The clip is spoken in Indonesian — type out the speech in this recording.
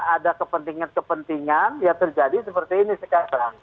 ada kepentingan kepentingan ya terjadi seperti ini sekarang